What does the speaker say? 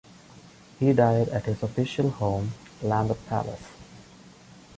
He died at his official home, Lambeth Palace.